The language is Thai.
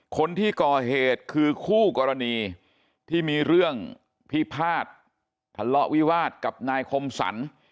คนที่ก่อเหตุคือคู่กรณีที่มีเรื่องพิพาททะเลาะวิวาสกับนายคมสรร